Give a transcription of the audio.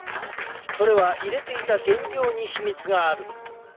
それは入れていた原料に秘密がある。